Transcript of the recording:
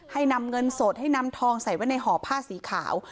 ให้นำเงินสดให้นำทองใส่ไว้ในห่อผ้าสีขาว